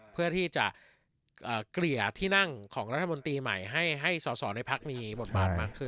เพื่อที่จะเกลี่ยที่นั่งของรัฐมนตรีใหม่ให้สอสอในพักมีบทบาทมากขึ้น